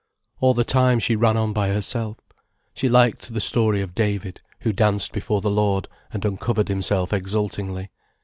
All the time she ran on by herself. She liked the story of David, who danced before the Lord, and uncovered himself exultingly.